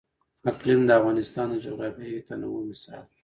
اقلیم د افغانستان د جغرافیوي تنوع مثال دی.